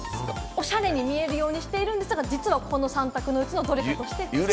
おしゃれに見えるようにしているんですが、３択のうちのどれかです。